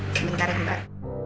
sebentar ya mbak